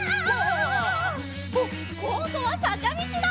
こんどはさかみちだ！